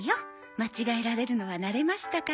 間違えられるのは慣れましたから。